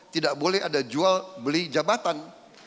tidak boleh ada jual beli jabatan